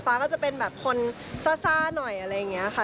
ก็จะเป็นแบบคนซ่าหน่อยอะไรอย่างนี้ค่ะ